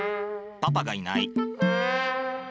パパがいない。